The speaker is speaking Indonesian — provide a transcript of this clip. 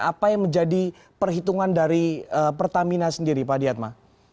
apa yang menjadi perhitungan dari pertamina sendiri pak adiatma